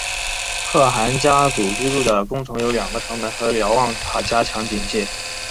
可汗家族居住的宫城有两个城门和瞭望塔加强警戒。